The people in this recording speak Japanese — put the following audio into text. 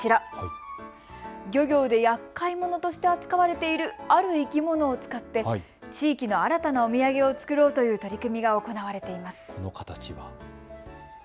漁業でやっかいものとして扱われているある生き物を使って地域の新たなお土産を作ろうという取り組みが行われています。